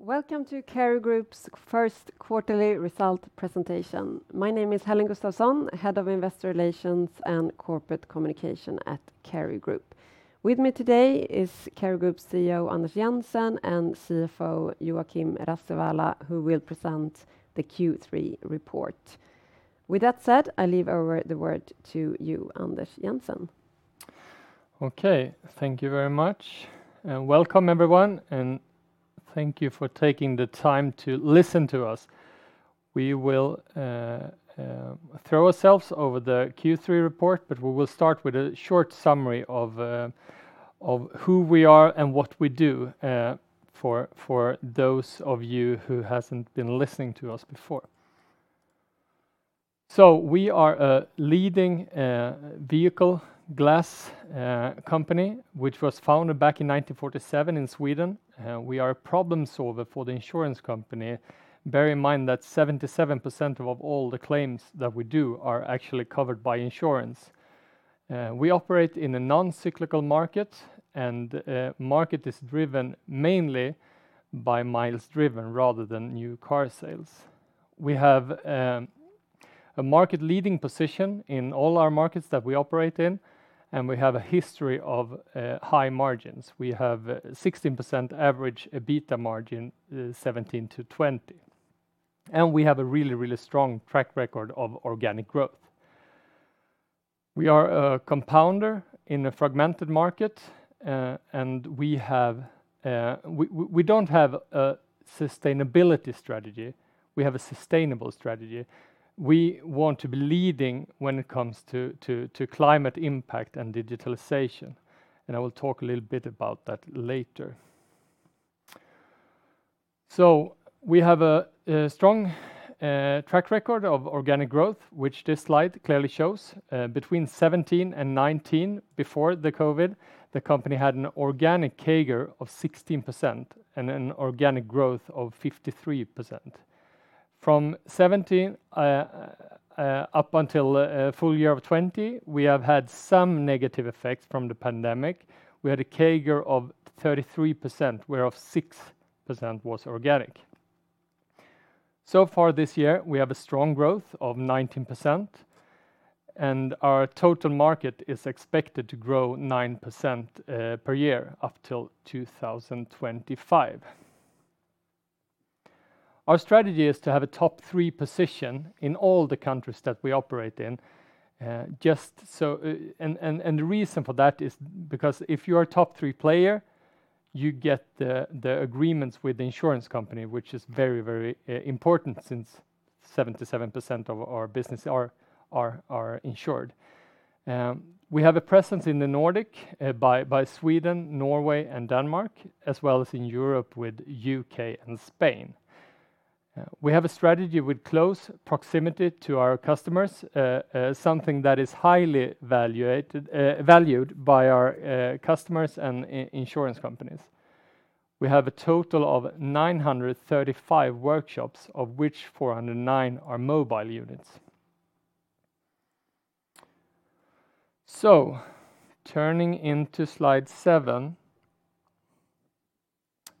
Welcome to Cary Group's first quarterly result presentation. My name is Helene Gustafsson, Head of Investor Relations and Corporate Communication at Cary Group. With me today is Cary Group CEO Anders Jensen and CFO Joakim Rasiwala, who will present the Q3 report. With that said, I leave over the word to you, Anders Jensen. Okay. Thank you very much, and welcome everyone, and thank you for taking the time to listen to us. We will throw ourselves over the Q3 report, but we will start with a short summary of who we are and what we do for those of you who hasn't been listening to us before. We are a leading vehicle glass company which was founded back in 1947 in Sweden. We are a problem solver for the insurance company. Bear in mind that 77% of all the claims that we do are actually covered by insurance. We operate in a non-cyclical market, and market is driven mainly by miles driven rather than new car sales. We have a market-leading position in all our markets that we operate in, and we have a history of high margins. We have 16% average EBITDA margin, 17%-20%, and we have a really strong track record of organic growth. We are a compounder in a fragmented market, and we don't have a sustainability strategy, we have a sustainable strategy. We want to be leading when it comes to climate impact and digitalization, and I will talk a little bit about that later. We have a strong track record of organic growth, which this slide clearly shows. Between 2017 and 2019, before the COVID, the company had an organic CAGR of 16% and an organic growth of 53%. From 2017 up until full year of 2020, we have had some negative effects from the pandemic. We had a CAGR of 33%, whereof 6% was organic. So far this year, we have a strong growth of 19%, and our total market is expected to grow 9% per year up till 2025. Our strategy is to have a top three position in all the countries that we operate in. The reason for that is because if you're a top three player, you get the agreements with the insurance company, which is very important since 77% of our business are insured. We have a presence in the Nordic in Sweden, Norway, and Denmark, as well as in Europe with U.K. and Spain. We have a strategy with close proximity to our customers, something that is highly valued by our customers and insurance companies. We have a total of 935 workshops, of which 409 are mobile units. Turning to slide seven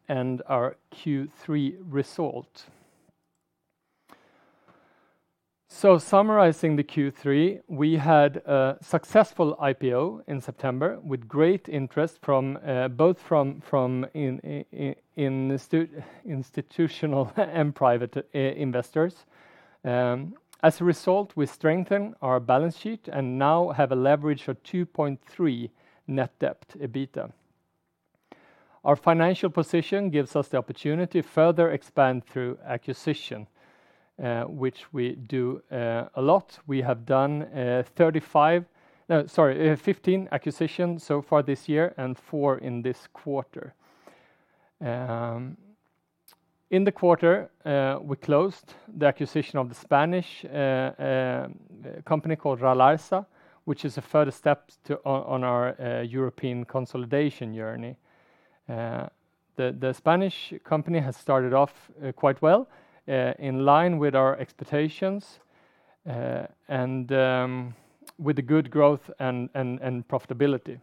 and our Q3 result. Summarizing the Q3, we had a successful IPO in September with great interest from both institutional and private investors. As a result, we strengthen our balance sheet and now have a leverage of 2.3 net debt EBITDA. Our financial position gives us the opportunity to further expand through acquisition, which we do a lot. We have done 15 acquisitions so far this year and four in this quarter. In the quarter, we closed the acquisition of the Spanish company called Ralarsa, which is a further step to our European consolidation journey. The Spanish company has started off quite well in line with our expectations and with the good growth and profitability.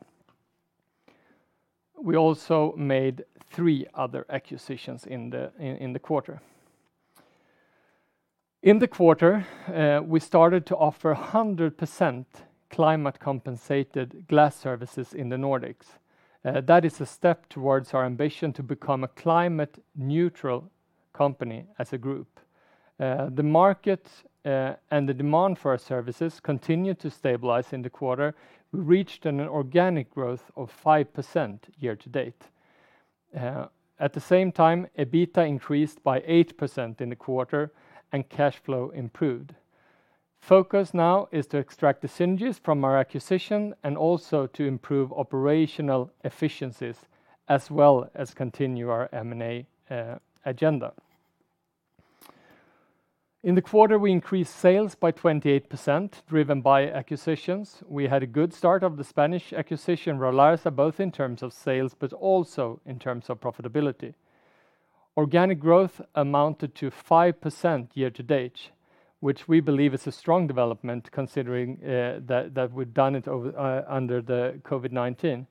We also made three other acquisitions in the quarter. In the quarter, we started to offer 100% climate compensated glass services in the Nordics. That is a step towards our ambition to become a climate neutral company as a group. The market and the demand for our services continued to stabilize in the quarter. We reached an organic growth of 5% year to date. At the same time, EBITDA increased by 8% in the quarter and cash flow improved. Focus now is to extract the synergies from our acquisition and also to improve operational efficiencies as well as continue our M&A agenda. In the quarter, we increased sales by 28%, driven by acquisitions. We had a good start of the Spanish acquisition, Ralarsa, both in terms of sales but also in terms of profitability. Organic growth amounted to 5% year-to-date, which we believe is a strong development considering that we've done it over under the COVID-19.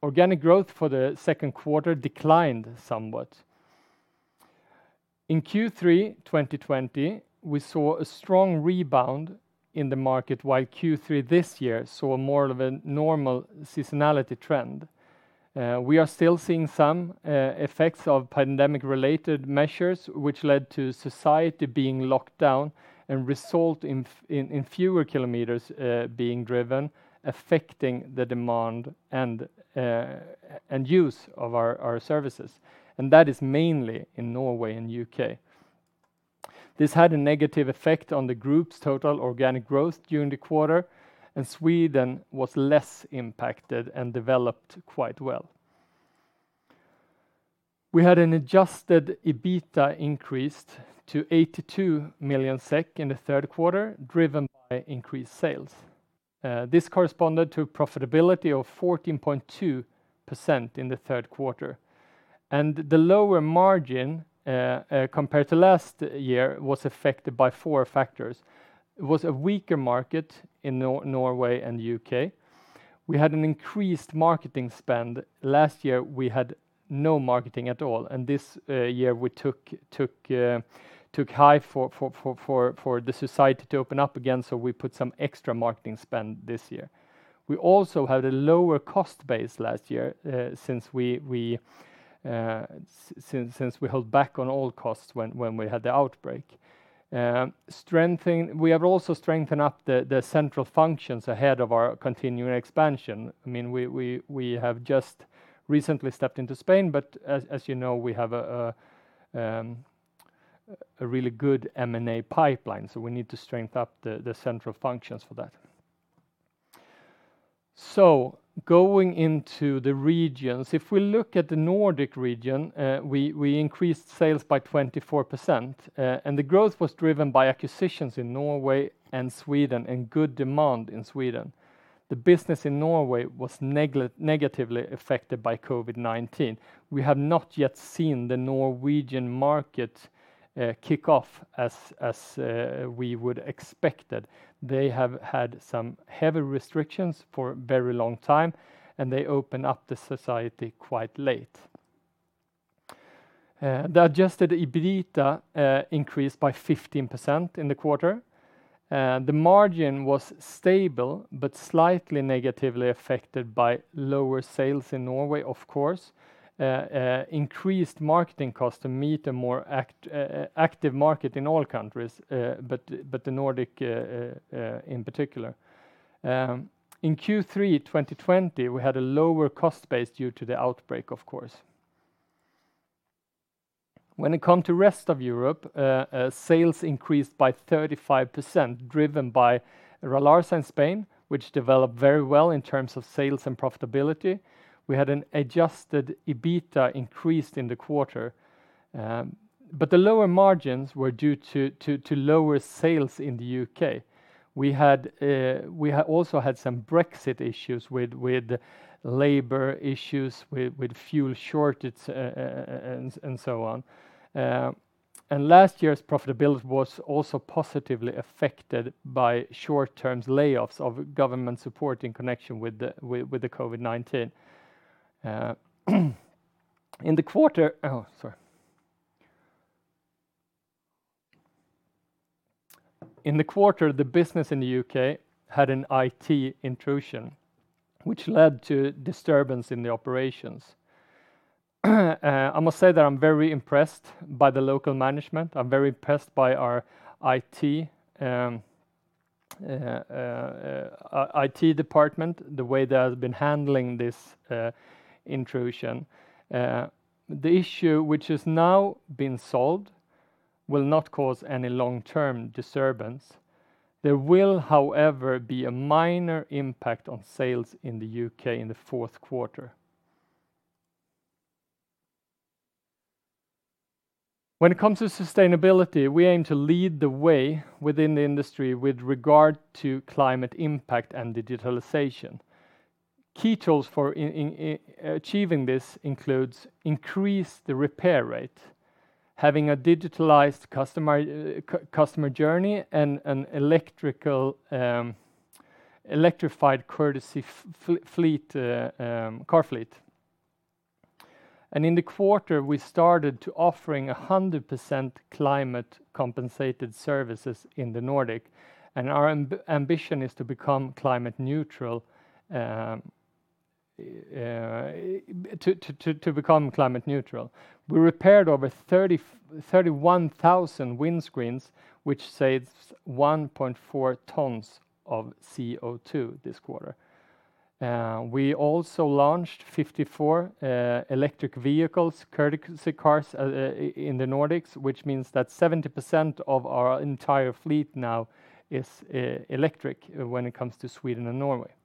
Organic growth for the second quarter declined somewhat. In Q3 2020, we saw a strong rebound in the market, while Q3 this year saw more of a normal seasonality trend. We are still seeing some effects of pandemic-related measures which led to society being locked down and result in fewer kilometers being driven, affecting the demand and use of our services, and that is mainly in Norway and U.K. This had a negative effect on the group's total organic growth during the quarter, and Sweden was less impacted and developed quite well. We had an adjusted EBITDA increased to 82 million SEK in the third quarter, driven by increased sales. This corresponded to profitability of 14.2% in the third quarter. The lower margin compared to last year was affected by four factors. It was a weaker market in Norway and U.K. We had an increased marketing spend. Last year, we had no marketing at all, and this year we took high for the society to open up again, so we put some extra marketing spend this year. We also had a lower cost base last year, since we held back on all costs when we had the outbreak. We have also strengthened up the central functions ahead of our continuing expansion. I mean, we have just recently stepped into Spain, but as you know, we have a really good M&A pipeline, so we need to strengthen up the central functions for that. Going into the regions, if we look at the Nordic region, we increased sales by 24%, and the growth was driven by acquisitions in Norway and Sweden and good demand in Sweden. The business in Norway was negatively affected by COVID-19. We have not yet seen the Norwegian market kick off as we would expected. They have had some heavy restrictions for very long time, and they opened up the society quite late. The adjusted EBITDA increased by 15% in the quarter. The margin was stable but slightly negatively affected by lower sales in Norway, of course, increased marketing costs to meet a more active market in all countries, but the Nordic in particular. In Q3 2020, we had a lower cost base due to the outbreak, of course. When it come to rest of Europe, sales increased by 35%, driven by Ralarsa in Spain, which developed very well in terms of sales and profitability. We had an adjusted EBITDA increased in the quarter, but the lower margins were due to lower sales in the U.K. We had also had some Brexit issues with labor issues, with fuel shortages, and so on. Last year's profitability was also positively affected by short-term layoffs of government support in connection with the COVID-19. In the quarter, the business in the U.K. had an IT intrusion which led to disturbance in the operations. I must say that I'm very impressed by the local management. I'm very impressed by our IT department, the way they have been handling this intrusion. The issue, which has now been solved, will not cause any long-term disturbance. There will, however, be a minor impact on sales in the U.K. in the fourth quarter. When it comes to sustainability, we aim to lead the way within the industry with regard to climate impact and digitalization. Key tools for achieving this includes increase the repair rate, having a digitalized customer journey, and an electrified courtesy car fleet. In the quarter, we started to offering 100% climate compensated services in the Nordic, and our ambition is to become climate neutral. We repaired over 31,000 windscreens, which saves 1.4 tons of CO2 this quarter. We also launched 54 electric vehicles, courtesy cars, in the Nordics, which means that 70% of our entire fleet now is electric when it comes to Sweden and Norway.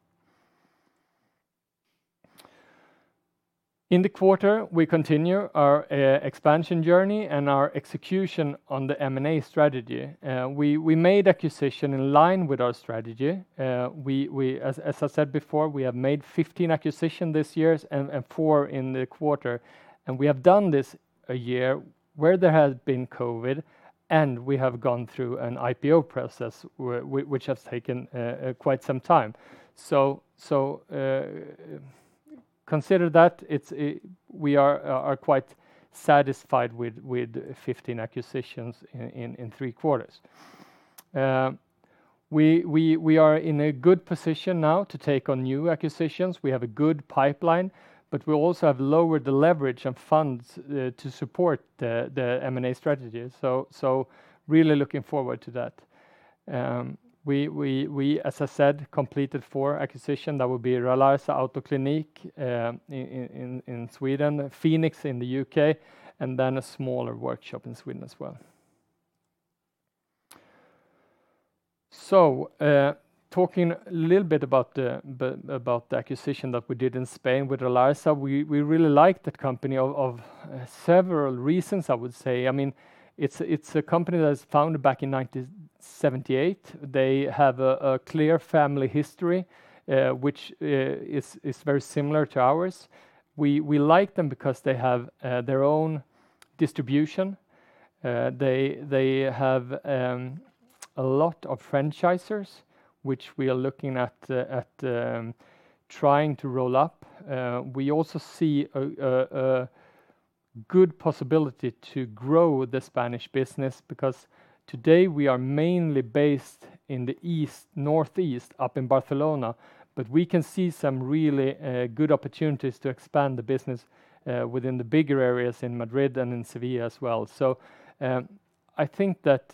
In the quarter, we continue our expansion journey and our execution on the M&A strategy. We made acquisitions in line with our strategy. As I said before, we have made 15 acquisitions this year and four in the quarter. We have done this in a year where there has been COVID, and we have gone through an IPO process which has taken quite some time. Consider that we are quite satisfied with 15 acquisitions in three quarters. We are in a good position now to take on new acquisitions. We have a good pipeline, but we also have lowered the leverage of funds to support the M&A strategy. Really looking forward to that. We, as I said, completed four acquisition that would be Ralarsa, Autoklinik in Sweden, Phoenix in the U.K., and then a smaller workshop in Sweden as well. Talking a little bit about the acquisition that we did in Spain with Ralarsa. We really like the company for several reasons, I would say. I mean, it's a company that was founded back in 1978. They have a clear family history, which is very similar to ours. We like them because they have their own distribution. They have a lot of franchisees, which we are looking at trying to roll up. We also see a good possibility to grow the Spanish business because today we are mainly based in the east, northeast up in Barcelona, but we can see some really good opportunities to expand the business within the bigger areas in Madrid and in Sevilla as well. I think that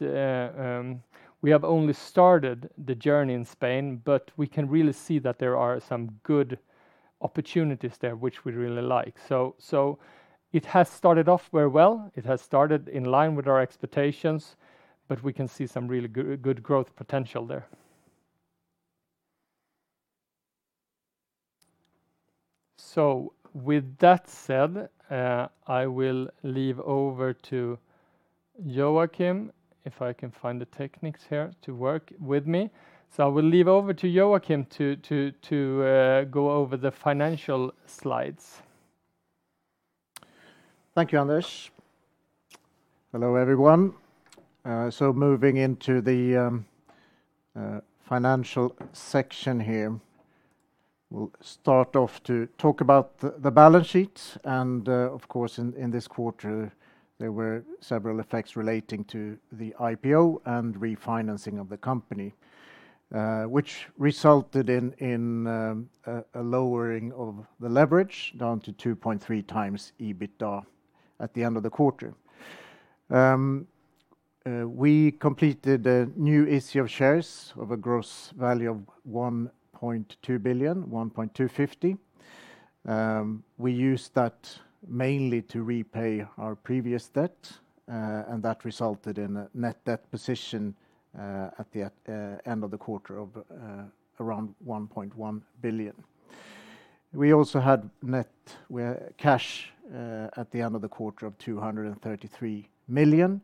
we have only started the journey in Spain, but we can really see that there are some good opportunities there, which we really like. It has started off very well. It has started in line with our expectations, but we can see some really good growth potential there. I will hand over to Joakim to go over the financial slides. Thank you, Anders. Hello, everyone. Moving into the financial section here. We'll start off to talk about the balance sheet. Of course, in this quarter, there were several effects relating to the IPO and refinancing of the company, which resulted in a lowering of the leverage down to 2.3x EBITDA at the end of the quarter. We completed a new issue of shares of a gross value of 1.250 billion. We used that mainly to repay our previous debt, and that resulted in a net debt position at the end of the quarter of around 1.1 billion. We also had net cash at the end of the quarter of 233 million,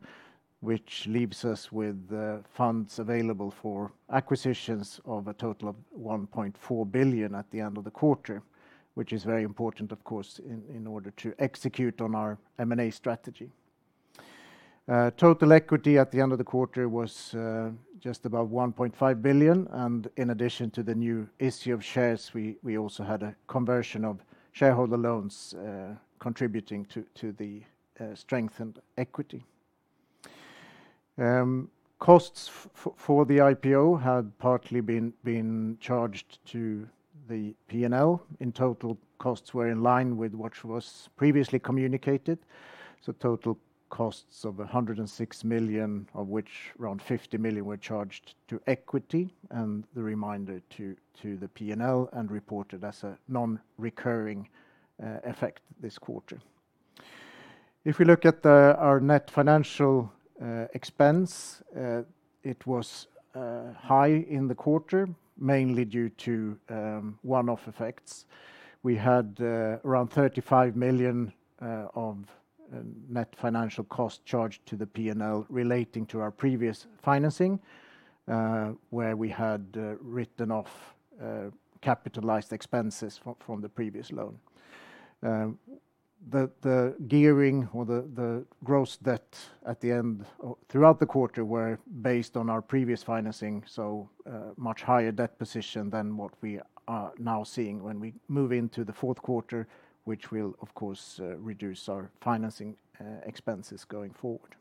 which leaves us with the funds available for acquisitions of a total of 1.4 billion at the end of the quarter, which is very important, of course, in order to execute on our M&A strategy. Total equity at the end of the quarter was just about 1.5 billion, and in addition to the new issue of shares, we also had a conversion of shareholder loans contributing to the strengthened equity. Costs for the IPO had partly been charged to the P&L. In total, costs were in line with what was previously communicated. Total costs of 106 million, of which around 50 million were charged to equity and the remainder to the P&L and reported as a non-recurring effect this quarter. If we look at our net financial expense, it was high in the quarter, mainly due to one-off effects. We had around 35 million of net financial cost charged to the P&L relating to our previous financing, where we had written off capitalized expenses from the previous loan. The gearing or the gross debt at the end throughout the quarter were based on our previous financing, so much higher debt position than what we are now seeing when we move into the fourth quarter, which will of course reduce our financing expenses going forward.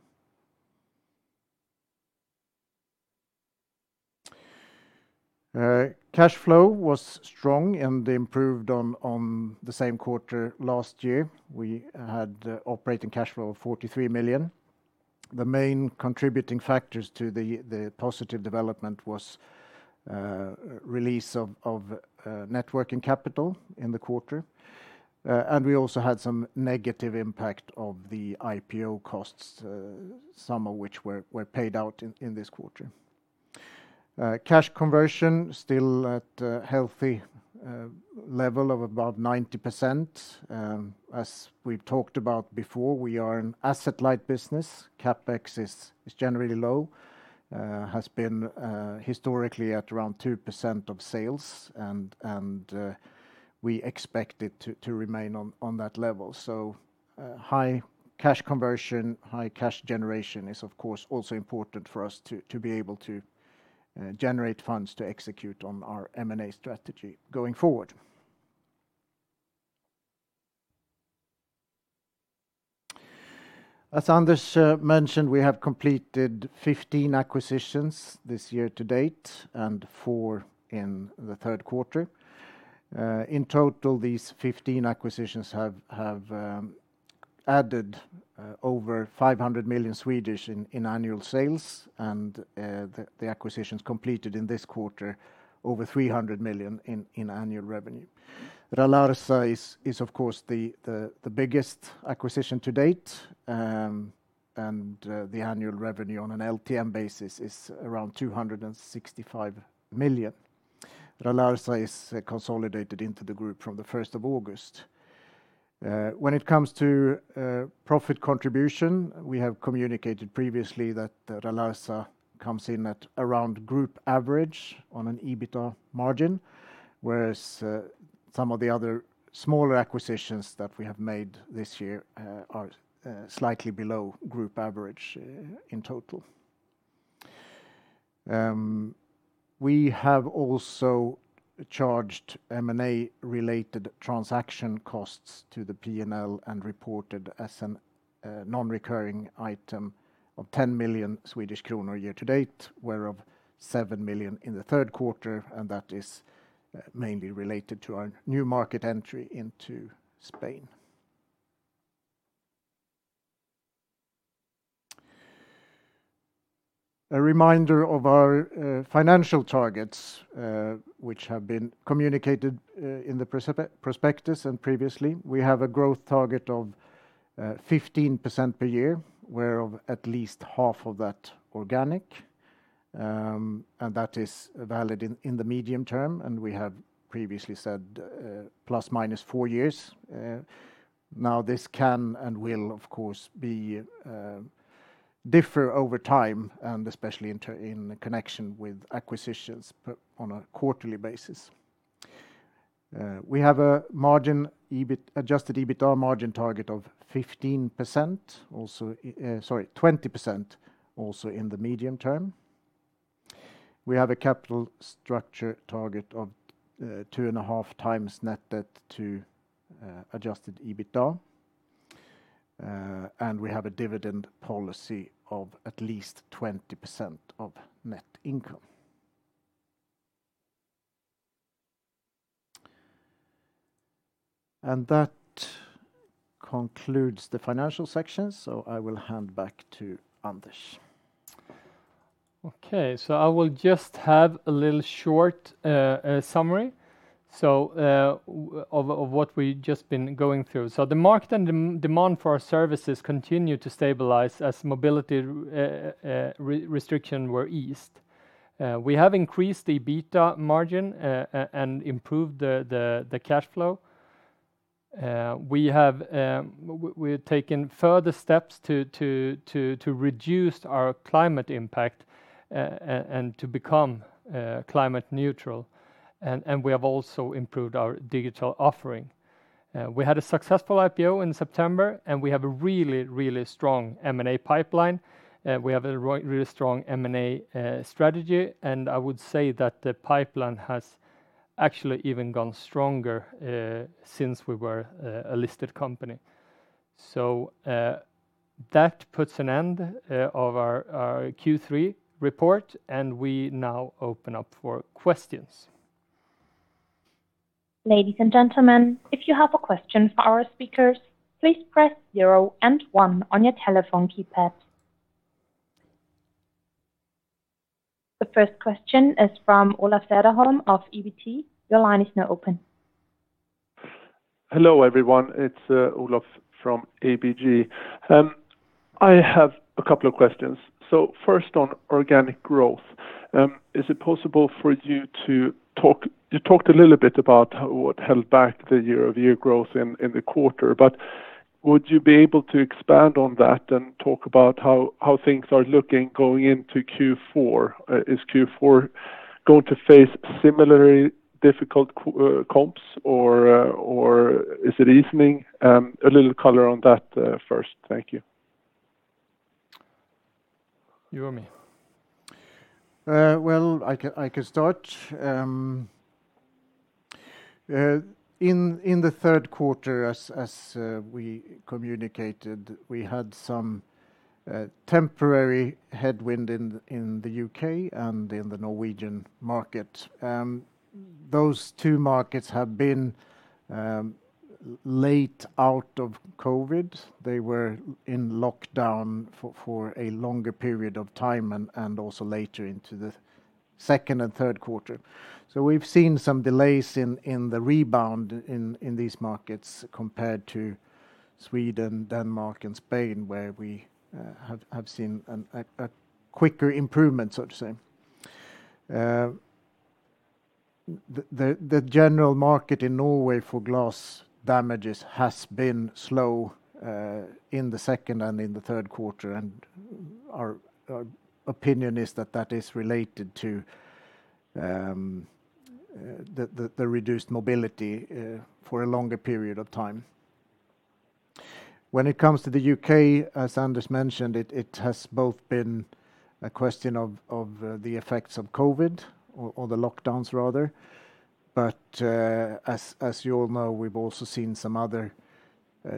Cash flow was strong and improved on the same quarter last year. We had operating cash flow of 43 million. The main contributing factors to the positive development was release of working capital in the quarter. We also had some negative impact of the IPO costs, some of which were paid out in this quarter. Cash conversion still at a healthy level of about 90%. As we've talked about before, we are an asset-light business. CapEx is generally low, has been historically at around 2% of sales and we expect it to remain on that level. High cash conversion, high cash generation is of course also important for us to be able to generate funds to execute on our M&A strategy going forward. As Anders mentioned, we have completed 15 acquisitions this year to date and four in the third quarter. In total, these 15 acquisitions have added over 500 million in annual sales and the acquisitions completed in this quarter over 300 million in annual revenue. Ralarsa is of course the biggest acquisition to date and the annual revenue on an LTM basis is around 265 million. Ralarsa is consolidated into the group from the first of August. When it comes to profit contribution, we have communicated previously that Ralarsa comes in at around group average on an EBITA margin, whereas some of the other smaller acquisitions that we have made this year are slightly below group average in total. We have also charged M&A-related transaction costs to the P&L and reported as a non-recurring item of 10 million Swedish kronor year to date, whereof 7 million in the third quarter, and that is mainly related to our new market entry into Spain. A reminder of our financial targets, which have been communicated in the prospectus and previously. We have a growth target of 15% per year, whereof at least half of that organic, and that is valid in the medium term, and we have previously said ± four years. Now this can and will of course be different over time, and especially in connection with acquisitions but on a quarterly basis. We have a margin, adjusted EBITA margin target of 15% also, sorry, 20% also in the medium term. We have a capital structure target of 2.5x net debt to adjusted EBITDA. We have a dividend policy of at least 20% of net income. That concludes the financial section, so I will hand back to Anders. Okay. I will just have a little short summary of what we just been going through. The market and demand for our services continue to stabilize as mobility restrictions were eased. We have increased the EBITA margin and improved the cash flow. We're taking further steps to reduce our climate impact and to become climate neutral, and we have also improved our digital offering. We had a successful IPO in September, and we have a really strong M&A pipeline. We have a really strong M&A strategy, and I would say that the pipeline has actually even gone stronger since we were a listed company. That puts an end to our Q3 report, and we now open up for questions. Ladies and gentlemen, if you have a question for our speakers, please press zero and one on your telephone keypad. The first question is from Olof Cederholm of ABG. Your line is now open. Hello, everyone. It's Olof from ABG. I have a couple of questions. First on organic growth. Is it possible for you? You talked a little bit about what held back the year-over-year growth in the quarter, but would you be able to expand on that and talk about how things are looking going into Q4? Is Q4 going to face similarly difficult comps, or is it evening out? A little color on that first. Thank you. You or me? Well, I can start. In the third quarter, as we communicated, we had some temporary headwind in the U.K. and in the Norwegian market. Those two markets have been late out of COVID. They were in lockdown for a longer period of time and also later into the second and third quarter. We've seen some delays in the rebound in these markets compared to Sweden, Denmark, and Spain, where we have seen a quicker improvement, so to say. The general market in Norway for glass damages has been slow in the second and in the third quarter, and our opinion is that that is related to the reduced mobility for a longer period of time. When it comes to the U.K., as Anders mentioned, it has both been a question of the effects of COVID or the lockdowns rather. As you all know, we've also seen some other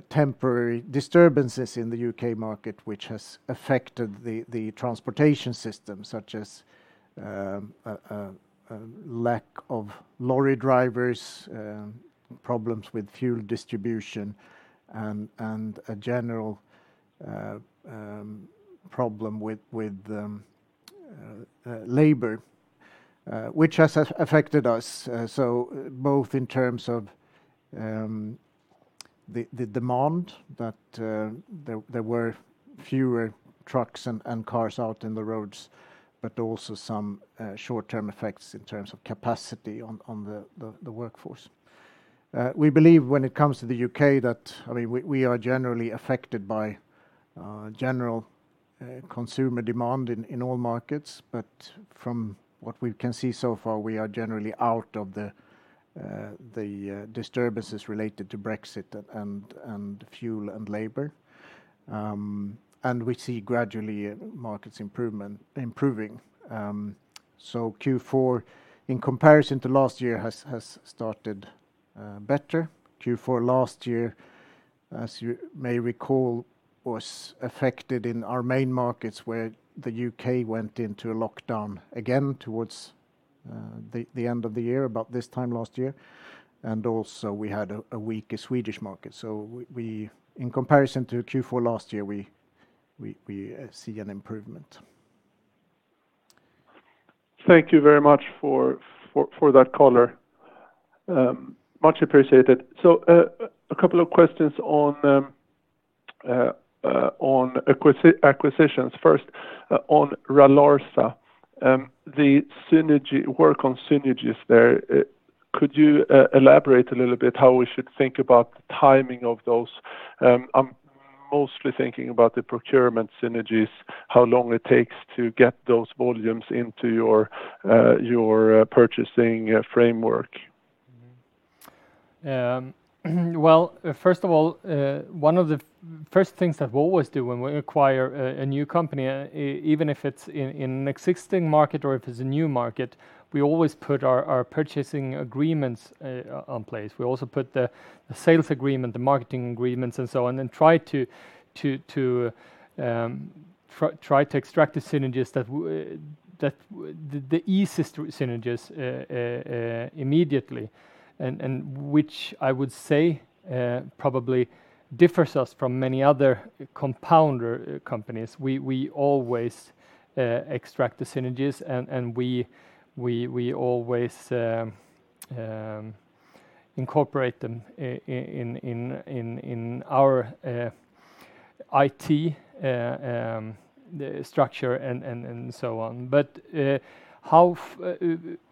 temporary disturbances in the U.K. market which has affected the transportation system, such as a lack of lorry drivers, problems with fuel distribution and a general problem with labor, which has affected us. Both in terms of the demand that there were fewer trucks and cars on the roads, but also some short-term effects in terms of capacity on the workforce. We believe when it comes to the U.K. that, I mean, we are generally affected by general consumer demand in all markets. From what we can see so far, we are generally out of the disturbances related to Brexit and fuel and labor. We see gradually markets improving. Q4, in comparison to last year, has started better. Q4 last year, as you may recall, was affected in our main markets, where the U.K. went into a lockdown again towards the end of the year, about this time last year. Also we had a weaker Swedish market. We, in comparison to Q4 last year, see an improvement. Thank you very much for that color. Much appreciated. A couple of questions on acquisitions. First, on Ralarsa, the synergy work on synergies there, could you elaborate a little bit how we should think about the timing of those? I'm mostly thinking about the procurement synergies, how long it takes to get those volumes into your purchasing framework. Well, first of all, one of the first things that we always do when we acquire a new company, even if it's in an existing market or if it's a new market, we always put our purchasing agreements in place. We also put the sales agreement, the marketing agreements and so on, and try to extract the synergies that the easiest synergies immediately, and which I would say probably differs us from many other compounder companies. We always extract the synergies, and we always incorporate them in our IT structure and so on. I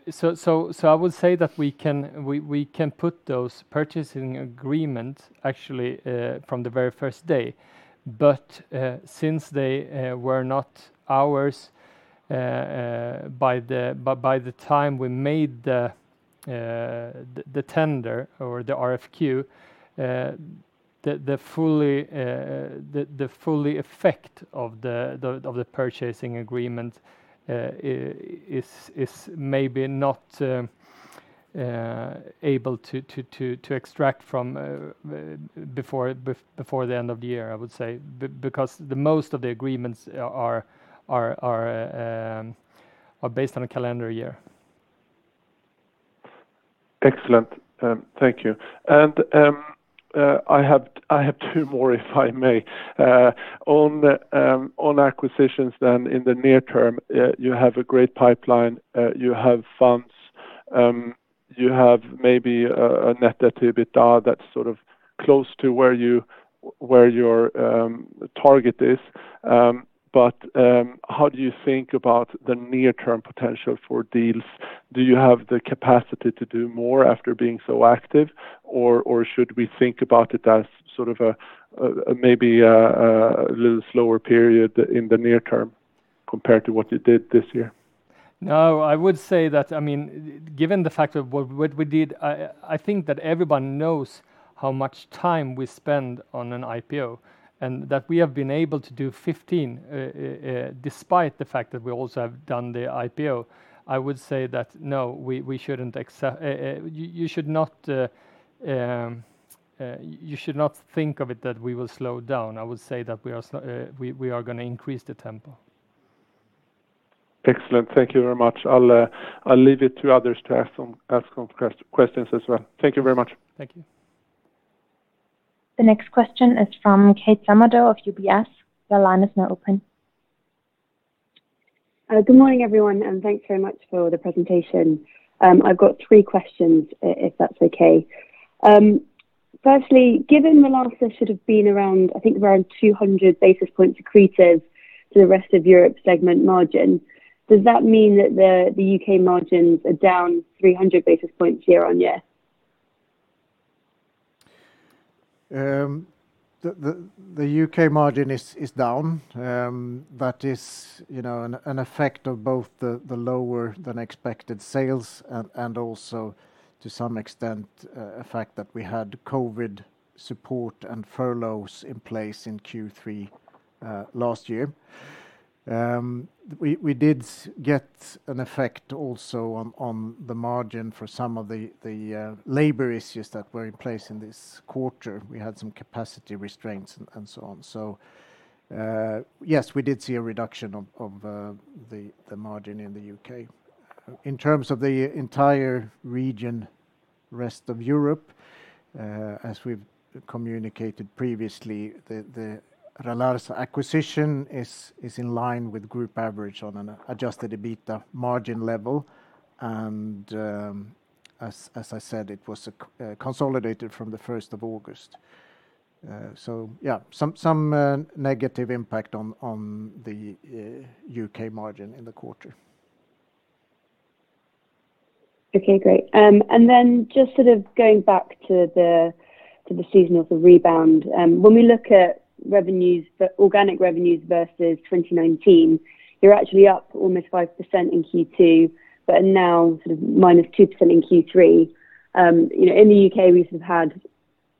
would say that we can put those purchase agreements actually from the very first day. Since they were not ours by the time we made the tender or the RFQ, the full effect of the purchase agreement is maybe not able to be extracted from before the end of the year, I would say, because most of the agreements are based on a calendar year. Excellent. Thank you. I have two more, if I may. On acquisitions then in the near term, you have a great pipeline, you have funds, you have maybe a net debt EBITDA that's sort of close to where your target is. How do you think about the near term potential for deals? Do you have the capacity to do more after being so active, or should we think about it as sort of a maybe a little slower period in the near term compared to what you did this year? No, I would say that, I mean, given the fact of what we did, I think that everyone knows how much time we spend on an IPO, and that we have been able to do 15 despite the fact that we also have done the IPO. I would say that no, we shouldn't. You should not think of it that we will slow down. I would say that we are gonna increase the tempo. Excellent. Thank you very much. I'll leave it to others to ask some questions as well. Thank you very much. Thank you. The next question is from Kate Somerville of UBS. Your line is now open. Good morning, everyone, and thanks very much for the presentation. I've got three questions, if that's okay. Firstly, given Ralarsa that should have been around, I think around 200 basis points accretive to the rest of Europe segment margin, does that mean that the U.K. margins are down 300 basis points year-on-year? The U.K. margin is down. That is, you know, an effect of both the lower than expected sales and also to some extent an effect that we had COVID-19 support and furloughs in place in Q3 last year. We did get an effect also on the margin for some of the labor issues that were in place in this quarter. We had some capacity restraints and so on. Yes, we did see a reduction of the margin in the U.K. In terms of the entire region, rest of Europe, as we've communicated previously, the Ralarsa acquisition is in line with group average on an adjusted EBITDA margin level and, as I said, it was consolidated from the first of August. Yeah, some negative impact on the U.K. margin in the quarter. Okay, great. Then just sort of going back to the season of the rebound, when we look at revenues, the organic revenues versus 2019, you're actually up almost 5% in Q2, but are now sort of -2% in Q3. You know, in the U.K., we've sort of had,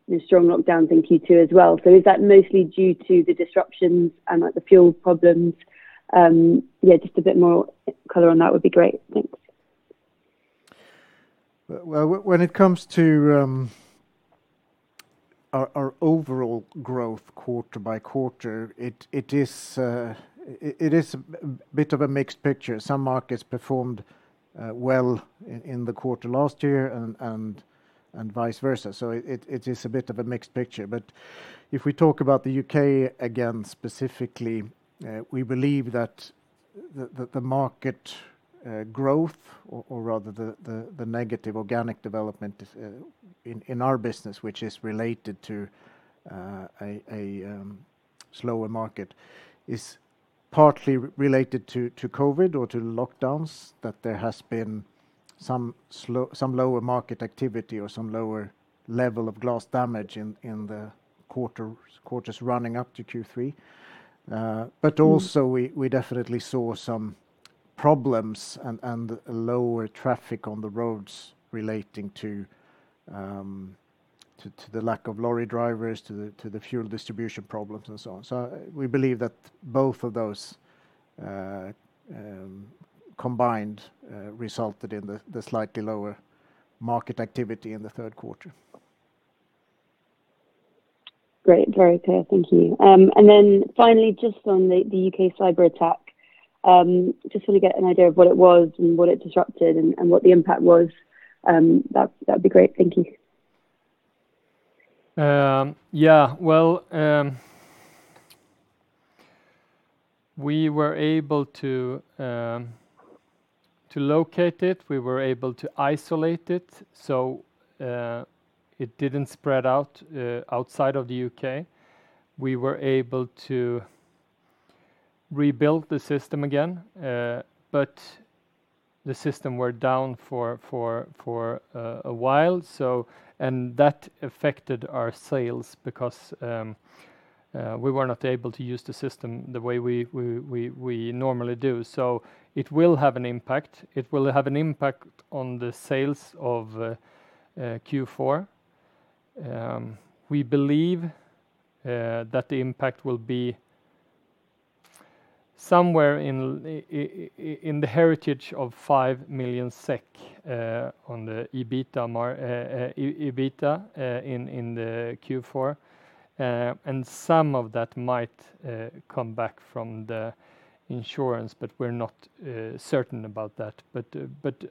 you know, strong lockdowns in Q2 as well. Is that mostly due to the disruptions and like the fuel problems? Yeah, just a bit more color on that would be great. Thanks. Well, when it comes to our overall growth quarter by quarter, it is a bit of a mixed picture. Some markets performed well in the quarter last year and vice versa. It is a bit of a mixed picture. If we talk about the U.K. again specifically, we believe that the market growth or rather the negative organic development is in our business, which is related to a slower market, is partly related to COVID or to lockdowns, that there has been some lower market activity or some lower level of glass damage in the quarters running up to Q3. Also we definitely saw some problems and lower traffic on the roads relating to the lack of lorry drivers, to the fuel distribution problems and so on. We believe that both of those combined resulted in the slightly lower market activity in the third quarter. Great. Very clear. Thank you. Finally, just on the U.K. cyberattack, just so we get an idea of what it was and what it disrupted and what the impact was, that'd be great. Thank you. Yeah. Well, we were able to locate it. We were able to isolate it, so it didn't spread out outside of the U.K. We were able to rebuild the system again, but the system were down for a while. That affected our sales because we were not able to use the system the way we normally do. It will have an impact. It will have an impact on the sales of Q4. We believe that the impact will be somewhere in the range of 5 million SEK on the EBITDA in the Q4. Some of that might come back from the insurance, but we're not certain about that.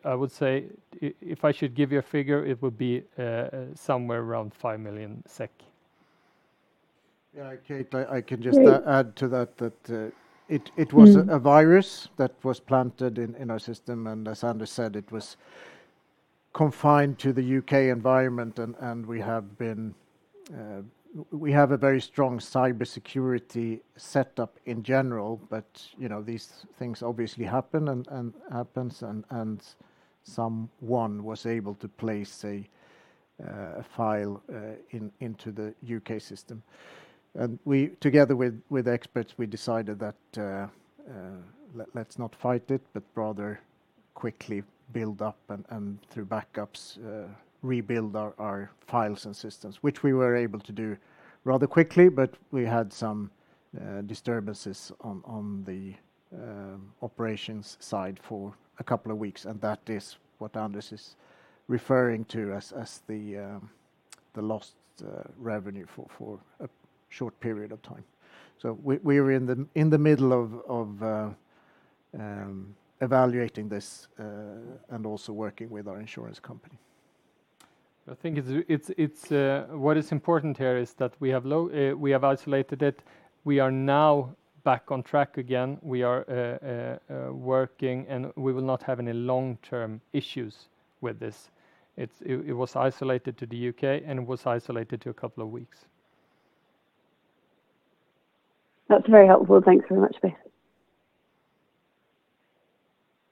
I would say if I should give you a figure, it would be somewhere around 5 million SEK. Yeah. Kate, I can just add to that it was a virus that was planted in our system, and as Anders said, it was confined to the U.K. environment. We have a very strong cybersecurity setup in general, but you know, these things obviously happen and someone was able to place a file into the U.K. system. We, together with experts, decided that let's not fight it, but rather quickly build up and through backups rebuild our files and systems, which we were able to do rather quickly, but we had some disturbances on the operations side for a couple of weeks, and that is what Anders is referring to as the lost revenue for a short period of time. We're in the middle of evaluating this and also working with our insurance company. I think it's what is important here is that we have isolated it. We are now back on track again. We are working, and we will not have any long-term issues with this. It was isolated to the U.K. and was isolated to a couple of weeks. That's very helpful. Thanks so much.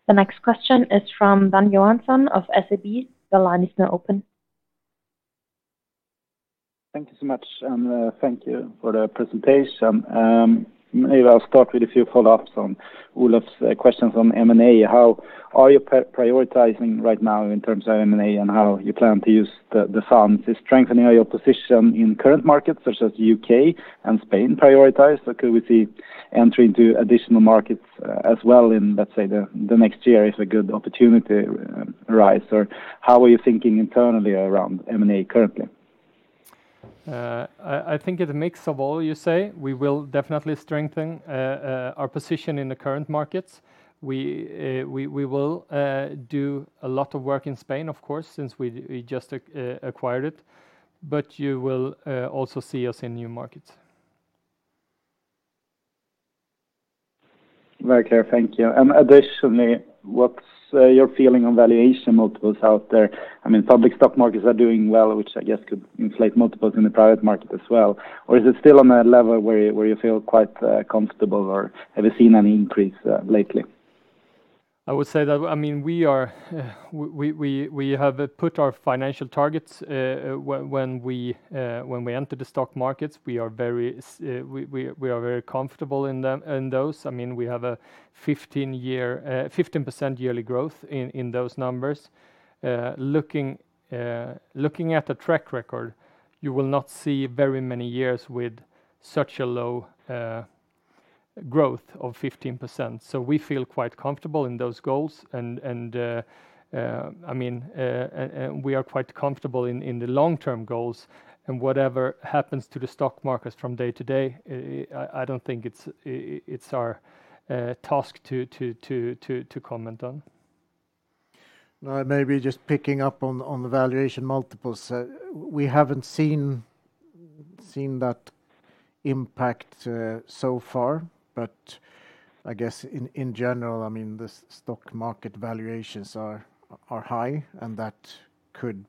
The next question is from Dan Johansson of SEB. Your line is now open. Thank you so much, and thank you for the presentation. Maybe I'll start with a few follow-ups on Olof's questions on M&A. How are you prioritizing right now in terms of M&A, and how you plan to use the funds? Is strengthening your position in current markets such as U.K. and Spain prioritized, or could we see entry into additional markets as well in, let's say, the next year if a good opportunity arise? Or how are you thinking internally around M&A currently? I think it's a mix of all you say. We will definitely strengthen our position in the current markets. We will do a lot of work in Spain, of course, since we just acquired it, but you will also see us in new markets. Very clear. Thank you. Additionally, what's your feeling on valuation multiples out there? I mean, public stock markets are doing well, which I guess could inflate multiples in the private market as well. Or is it still on a level where you feel quite comfortable, or have you seen any increase lately? I would say that, I mean, we have put our financial targets when we entered the stock markets. We are very comfortable in them, in those. I mean, we have a 15-year 15% yearly growth in those numbers. Looking at the track record, you will not see very many years with such a low growth of 15%. We feel quite comfortable in those goals and we are quite comfortable in the long-term goals. Whatever happens to the stock markets from day to day, I don't think it's our task to comment on. No, maybe just picking up on the valuation multiples. We haven't seen that impact so far, but I guess in general, I mean, the stock market valuations are high, and that could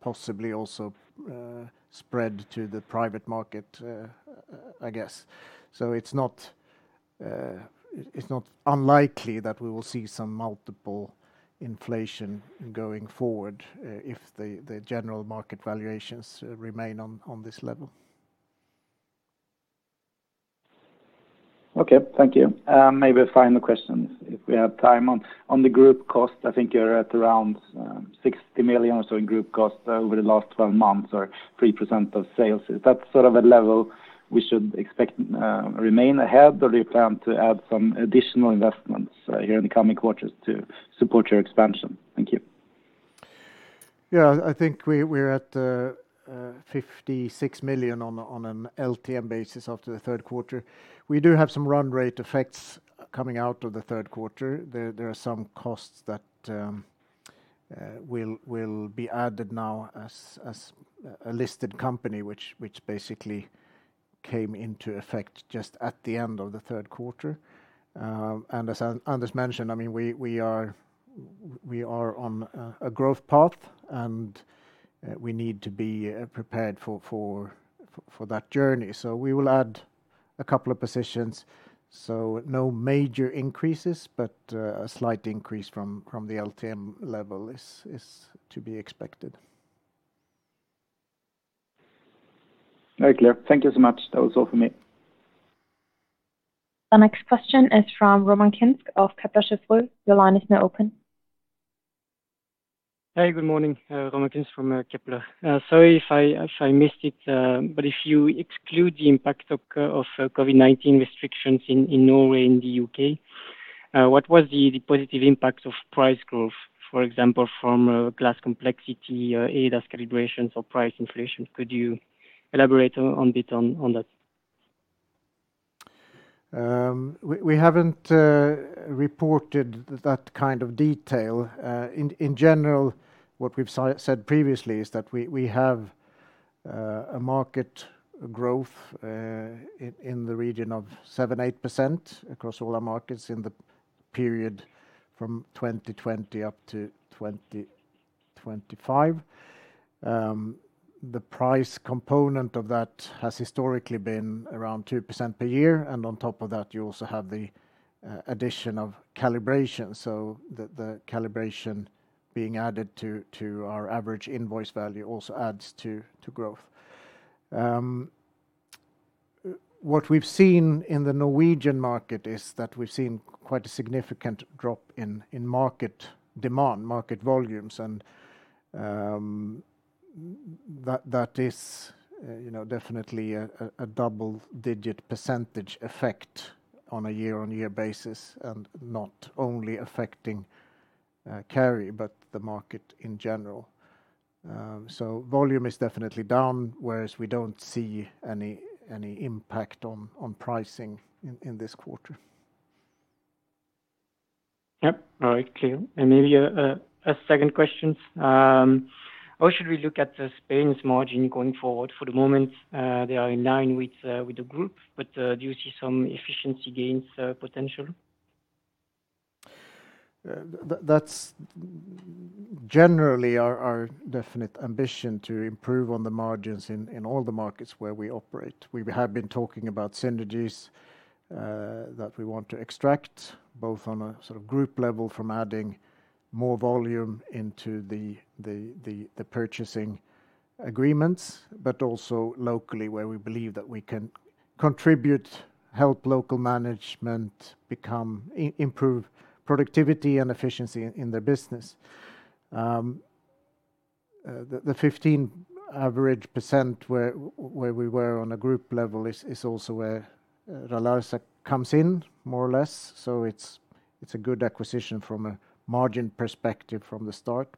possibly also spread to the private market, I guess. It's not unlikely that we will see some multiple inflation going forward, if the general market valuations remain on this level. Okay. Thank you. Maybe a final question if we have time. On the group cost, I think you're at around 60 million or so in group cost over the last 12 months, or 3% of sales. Is that sort of a level we should expect to remain ahead, or do you plan to add some additional investments here in the coming quarters to support your expansion? Thank you. Yeah. I think we're at 56 million on an LTM basis after the third quarter. We do have some run rate effects coming out of the third quarter. There are some costs that will be added now as a listed company, which basically came into effect just at the end of the third quarter. As Anders mentioned, I mean, we are on a growth path, and we need to be prepared for that journey. We will add a couple of positions. No major increases, but a slight increase from the LTM level is to be expected. Very clear. Thank you so much. That was all for me. The next question is from of Kepler Cheuvreux. Your line is now open. Hey, good morning. from Kepler. Sorry if I missed it, but if you exclude the impact of COVID-19 restrictions in Norway and the U.K., what was the positive impact of price growth, for example, from glass complexity, ADAS calibrations or price inflation? Could you elaborate a bit on that? We haven't reported that kind of detail. In general, what we've said previously is that we have a market growth in the region of 7%-8% across all our markets in the period from 2020 up to 2025. The price component of that has historically been around 2% per year, and on top of that, you also have the addition of calibration. The calibration being added to our average invoice value also adds to growth. What we've seen in the Norwegian market is that we've seen quite a significant drop in market demand, market volumes that is you know definitely a double-digit percentage effect on a year-on-year basis, and not only affecting Cary, but the market in general. Volume is definitely down, whereas we don't see any impact on pricing in this quarter. Yep. All right. Clear. Maybe a second question. How should we look at Spain's margin going forward? For the moment, they are in line with the group, but do you see some efficiency gains potential? That's generally our definite ambition to improve on the margins in all the markets where we operate. We have been talking about synergies that we want to extract, both on a sort of group level from adding more volume into the purchasing agreements, but also locally where we believe that we can contribute, help local management improve productivity and efficiency in their business. The 15% average where we were on a group level is also where Ralarsa comes in more or less, so it's a good acquisition from a margin perspective from the start.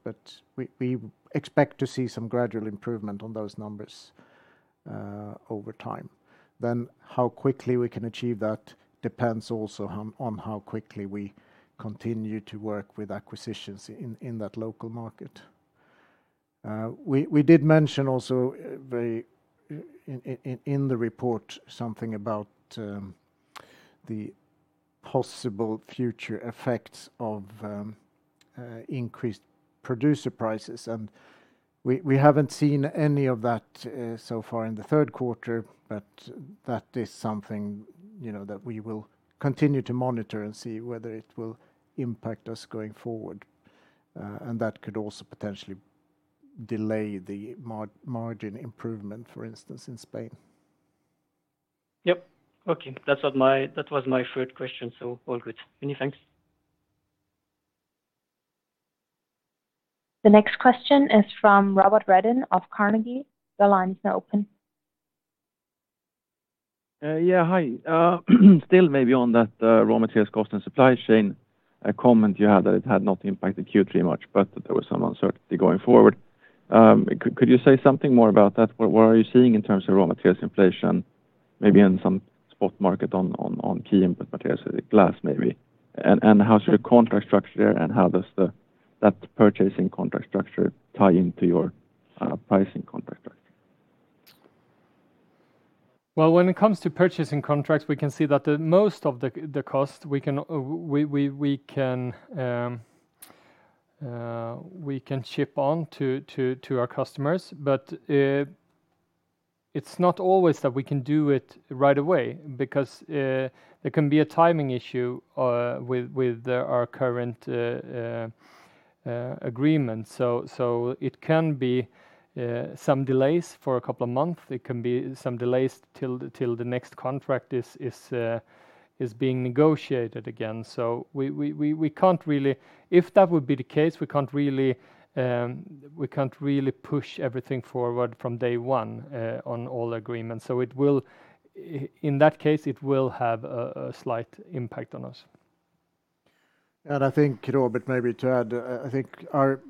We expect to see some gradual improvement on those numbers over time. How quickly we can achieve that depends also on how quickly we continue to work with acquisitions in that local market. We did mention also very in the report something about the possible future effects of increased producer prices, and we haven't seen any of that so far in the third quarter. That is something, you know, that we will continue to monitor and see whether it will impact us going forward. That could also potentially delay the margin improvement, for instance, in Spain. Yep. Okay. That was my third question, so all good. Many thanks. The next question is from Robert Redin of Carnegie. Your line is now open. Yeah. Hi. Still maybe on that, raw materials cost and supply chain, a comment you had that it had not impacted Q3 much, but that there was some uncertainty going forward. Could you say something more about that? What are you seeing in terms of raw materials inflation, maybe in some spot market on key input materials like glass maybe, and how's your contract structure, and how does that purchasing contract structure tie into your pricing contract structure? Well, when it comes to purchasing contracts, we can see that most of the cost we can ship on to our customers. It's not always that we can do it right away because there can be a timing issue with our current agreement. It can be some delays for a couple of months. It can be some delays till the next contract is being negotiated again. If that would be the case, we can't really push everything forward from day one on all agreements. In that case, it will have a slight impact on us. I think, Robert, maybe to add, I think our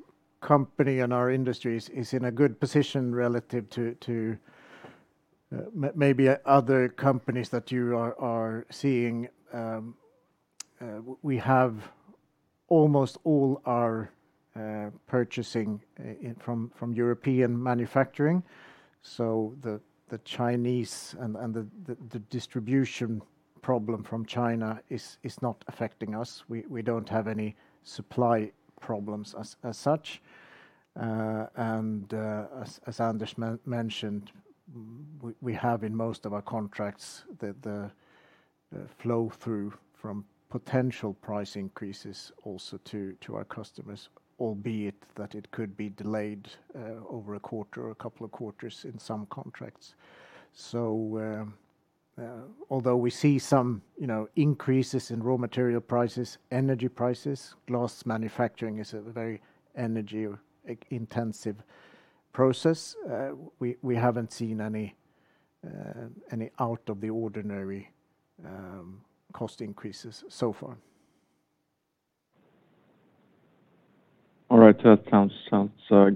company and our industries is in a good position relative to maybe other companies that you are seeing. We have almost all our purchasing from European manufacturing, so the Chinese and the distribution problem from China is not affecting us. We don't have any supply problems as such. As Anders mentioned, we have in most of our contracts the flow through from potential price increases also to our customers, albeit that it could be delayed over a quarter or a couple of quarters in some contracts. Although we see some, you know, increases in raw material prices, energy prices, glass manufacturing is a very energy-intensive process, we haven't seen any any out of the ordinary cost increases so far. All right. That sounds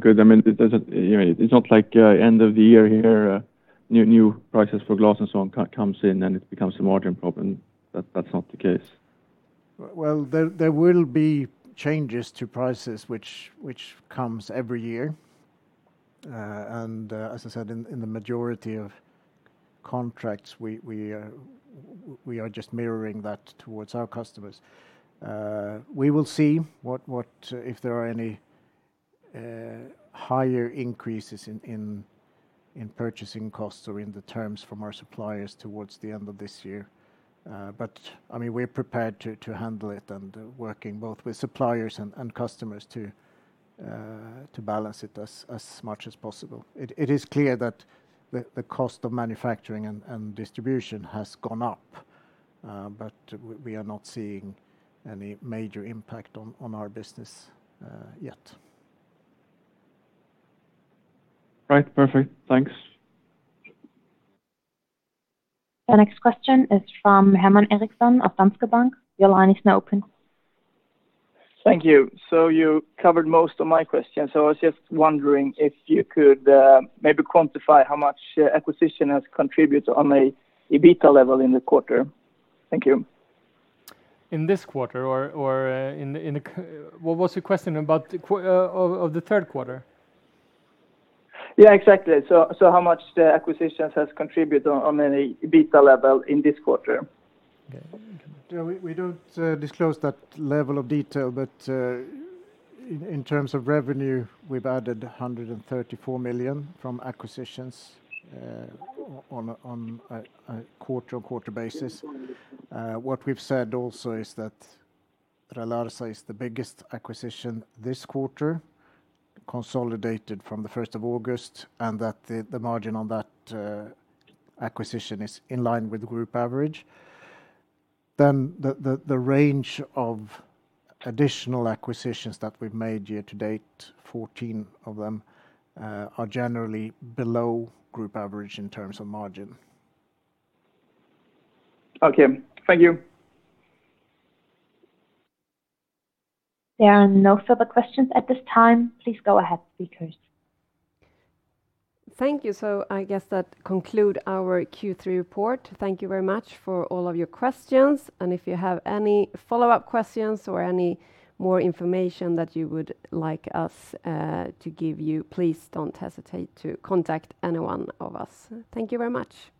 good. I mean, it doesn't. You know, it's not like end of the year here, new prices for glass and so on come in, and it becomes a margin problem. That's not the case. Well, there will be changes to prices which comes every year. As I said, in the majority of contracts, we are just mirroring that towards our customers. We will see what if there are any higher increases in purchasing costs or in the terms from our suppliers towards the end of this year. I mean, we're prepared to handle it and working both with suppliers and customers to balance it as much as possible. It is clear that the cost of manufacturing and distribution has gone up, but we are not seeing any major impact on our business yet. Right. Perfect. Thanks. The next question is from Herman Eriksson of Danske Bank. Your line is now open. Thank you. You covered most of my questions, so I was just wondering if you could maybe quantify how much acquisition has contributed on a EBITA level in the quarter. Thank you. What was your question about the quarter of the third quarter? Yeah, exactly. How much the acquisitions has contributed on an EBITDA level in this quarter? Yeah, we don't disclose that level of detail, but in terms of revenue, we've added 134 million from acquisitions on a quarter-on-quarter basis. What we've said also is that Ralarsa is the biggest acquisition this quarter, consolidated from the 1st of August, and that the margin on that acquisition is in line with group average. The range of additional acquisitions that we've made year to date, 14 of them, are generally below group average in terms of margin. Okay. Thank you. There are no further questions at this time. Please go ahead, speakers. Thank you. I guess that conclude our Q3 report. Thank you very much for all of your questions, and if you have any follow-up questions or any more information that you would like us to give you, please don't hesitate to contact any one of us. Thank you very much.